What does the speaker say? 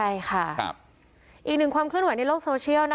อีกหนึ่งความคลื่นไหวในโลกโซเชียล